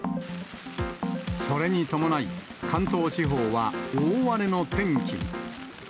それに伴い、関東地方は大荒れの天気に。